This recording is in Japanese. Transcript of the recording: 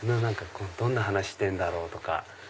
どんな話してんだろう？とか。